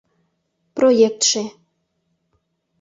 — Проектше...